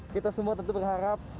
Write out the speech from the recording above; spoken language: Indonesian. kita semua tentu berharap